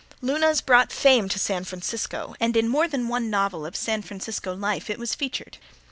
Luna's brought fame to San Francisco and in more than one novel of San Francisco life it was featured.